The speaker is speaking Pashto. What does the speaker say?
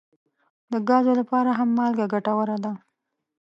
د ګازو لپاره هم مالګه ګټوره ده.